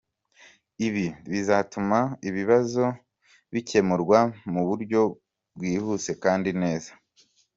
Ibi bizatuma ibibazo bikemurwa mu buryo bwihuse kandi neza.